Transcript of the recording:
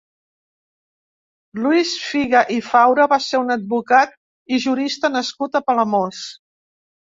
Lluís Figa i Faura va ser un advocat i jurista nascut a Palamós.